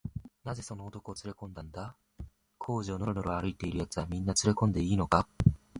「なぜその男をつれこんだんだ？小路をのろのろ歩いているやつは、みんなつれこんでいいのか？」